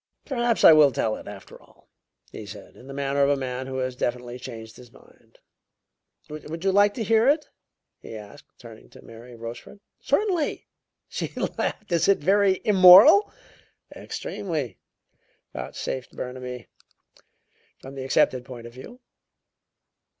"Perhaps I will tell it, after all," he said, in the manner of a man who has definitely changed his mind. "Would you like to hear it?" he asked, turning to Mary Rochefort. "Certainly!" she laughed. "Is it very immoral?" "Extremely," vouchsafed Burnaby, "from the accepted point of view."